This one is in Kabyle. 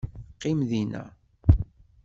Qqim dinna!